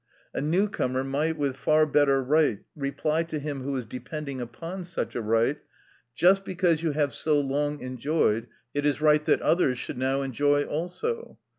A new comer might with far better right reply to him who was depending upon such a right, "Just because you have so long enjoyed, it is right that others should now enjoy also."